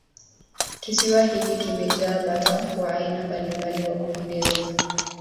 kisiwa hiki kimejaa bata wa aina mbalimbali wa kupendeza